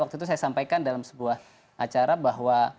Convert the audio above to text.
waktu itu saya sampaikan dalam sebuah acara bahwa